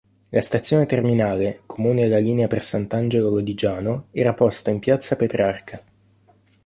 La stazione terminale, comune alla linea per Sant'Angelo Lodigiano, era posta in piazza Petrarca.